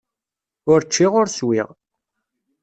Ur ččiɣ ur swiɣ.